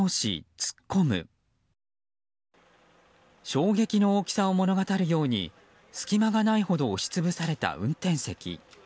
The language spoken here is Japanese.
衝撃の大きさを物語るように隙間がないほど押し潰された運転席。